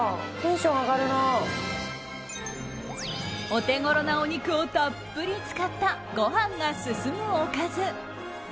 お手ごろなお肉をたっぷり使ったご飯が進むおかず。